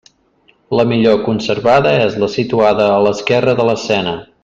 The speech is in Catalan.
La millor conservada és la situada a l'esquerra de l'escena.